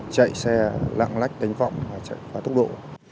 chạy xe lạng lách đánh vọng và chạy qua tốc độ